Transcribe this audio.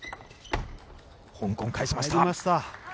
香港、返しました。